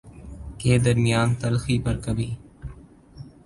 کے درمیان تلخی پر کبھی